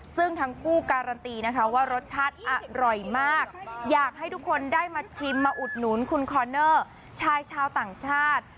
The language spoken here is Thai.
ซึ่งทั้งคู่การันตีนะคะว่ารสชาติอร่อยมากอยากให้ทุกคนได้มาชิมมาอุดหนุนคุณคอนเนอร์ชายชาวต่างชาติ